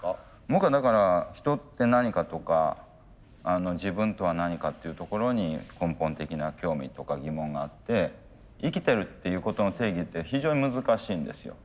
僕はだから人って何かとか自分とは何かっていうところに根本的な興味とか疑問があって生きてるっていうことの定義って非常に難しいんですよ。